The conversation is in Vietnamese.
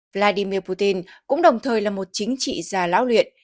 vladimir putin cũng đồng thời là một chính trị gia lão luyện